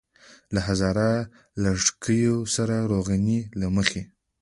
له هزاره لږکیو سره روغنيتۍ له مخې.